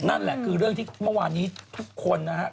นั่นแหละคือเรื่องที่เมื่อวานนี้ทุกคนนะฮะ